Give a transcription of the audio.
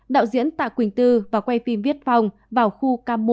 đạo diễn tạ quỳnh tư và quay phim viết phòng vào khu k một